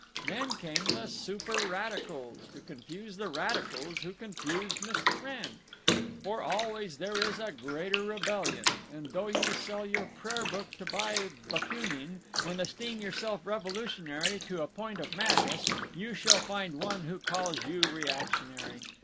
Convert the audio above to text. Then came the superradicals, to confuse the radicals who confused Mr. Wrenn. For always there is a greater rebellion; and though you sell your prayer book to buy Bakunine, and esteem yourself revolutionary to a point of madness, you shall find one who calls you reactionary.